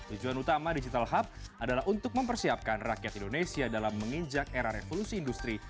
tujuan utama digital hub adalah untuk mempersiapkan rakyat indonesia dalam menginjak era revolusi industri